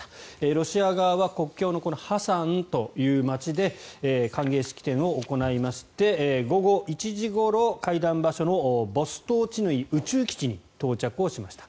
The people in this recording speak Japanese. ロシア側は国境のハサンという街で歓迎式典を行いまして午後１時ごろ会談場所のボストーチヌイ宇宙基地に到着しました。